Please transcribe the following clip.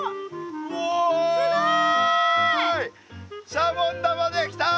シャボン玉できた！